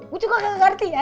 gue juga nggak ngerti ya